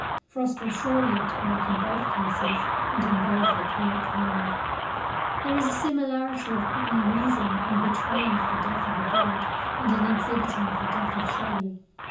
Frost was surely at work in both cases, and in both it wrought wrong. There is a similarity of unreason in betraying the death of a bird and in exhibiting the death of Shelley.